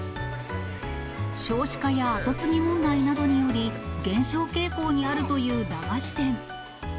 少子化や後継ぎ問題などにより、減少傾向にあるという駄菓子店。